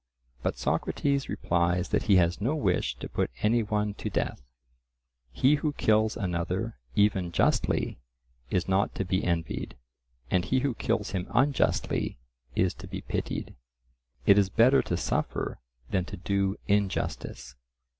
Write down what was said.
But Socrates replies that he has no wish to put any one to death; he who kills another, even justly, is not to be envied, and he who kills him unjustly is to be pitied; it is better to suffer than to do injustice.